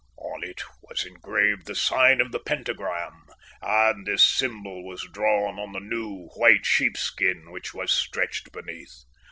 On it was engraved the sign of the Pentagram, and this symbol was drawn on the new, white sheepskin which was stretched beneath.